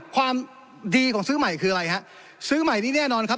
ความดีของซื้อใหม่คืออะไรฮะซื้อใหม่นี่แน่นอนครับ